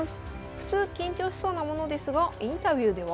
普通緊張しそうなものですがインタビューでは？